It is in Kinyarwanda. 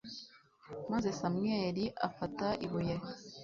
maze samweli afata ibuye